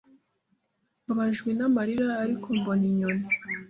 Mbabajwe namarira Ariko mbona inyoni